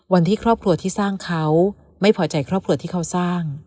วันที่ครอบครัวที่สร้างเขาไม่พอใจครอบครัวที่เขาสร้าง